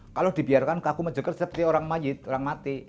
kalau dibiarkan kaku mejegar seperti orang mayit orang mati